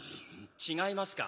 違いますか？